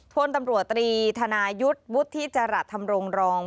พลตำรวจตรีธนายุทธ์วุฒิจรัสธรรมรงรอง